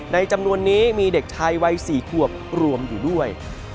จำนวนนี้มีเด็กชายวัย๔ขวบรวมอยู่ด้วย